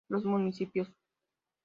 Los Municipios.